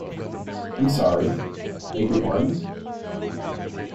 I'm sorry. I beg your pardon.